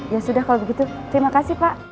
ya sudah kalau begitu terima kasih pak